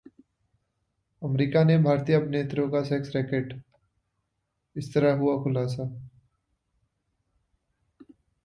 America में भारतीय अभिनेत्रियों का सेक्स रैकेट, इस तरह हुआ खुलासा